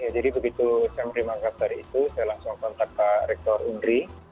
jadi begitu saya menganggap dari itu saya langsung kontak pak rektor unri